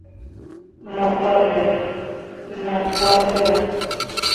Mo baɓɓe naa gwari wo.